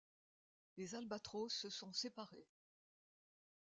Les Albatros se sont séparés.